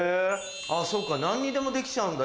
そっか何にでもできちゃうんだ